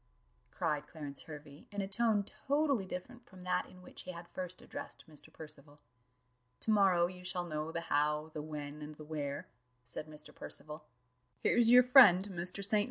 cried Clarence Hervey, in a tone totally different from that in which he had first addressed Mr. Percival. "To morrow you shall know the how, the when, and the where," said Mr. Percival: "here's your friend, Mr. St.